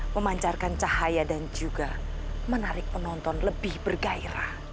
memancarkan cahaya dan juga menarik penonton lebih bergairah